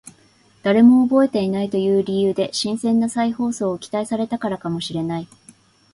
誰も覚えていないという理由で新鮮な再放送を期待されたからかもしれない